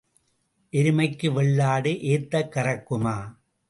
எருமைக்கு வெள்ளாடு ஏத்தக் கறக்குமா?